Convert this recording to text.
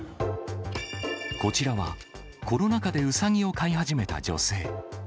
こちらは、コロナ禍でウサギを飼い始めた女性。